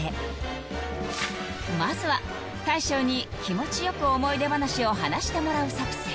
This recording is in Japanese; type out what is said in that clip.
まずは大将に気持ちよく思い出話を話してもらう作戦